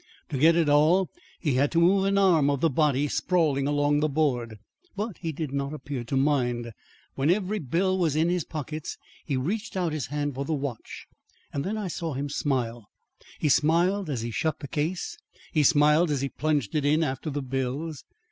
To get it all, he had to move an arm of the body sprawling along the board. But he did not appear to mind. When every bill was in his pockets, he reached out his hand for the watch. Then I saw him smile. He smiled as he shut the case, he smiled as he plunged it in after the bills.